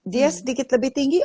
dia sedikit lebih tinggi